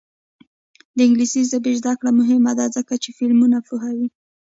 د انګلیسي ژبې زده کړه مهمه ده ځکه چې فلمونه پوهوي.